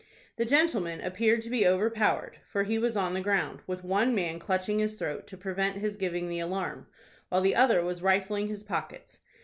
The gentleman appeared to be overpowered, for he was on the ground, with one man clutching his throat to prevent his giving the alarm, while the other was rifling his pockets.